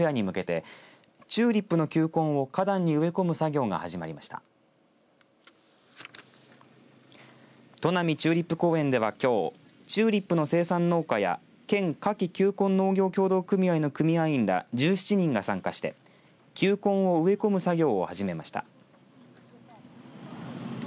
砺波チューリップ公園ではきょうチューリップの生産農家や県花卉球根農業協同組合の組合員ら１７人が参加して球根を植え込む作業を始めました。